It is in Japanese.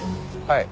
はい。